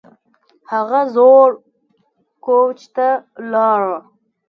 هغه زوړ کوچ ته لاړه